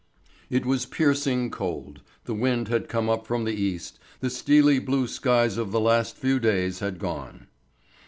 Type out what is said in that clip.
It was piercingly cold, the wind had come up from the east, the steely blue sky of the last few days had gone.